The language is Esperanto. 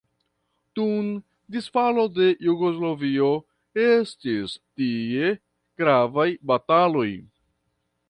Dum disfalo de Jugoslavio estis tie gravaj bataloj.